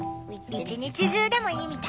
一日中でもいいみたい。